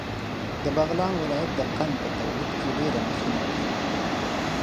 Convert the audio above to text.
د بغلان ولایت د قند په تولید کې ډېره مخینه لري.